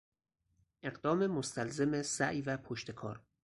اقدام مستلزم سعی و پشتکار